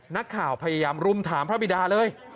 นักข่าวพยายามรุมถามพระบิดาเลย